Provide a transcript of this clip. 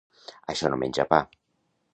Això no menja pa.